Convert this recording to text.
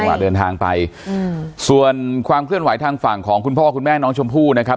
มาเดินทางไปอืมส่วนความเคลื่อนไหวทางฝั่งของคุณพ่อคุณแม่น้องชมพู่นะครับ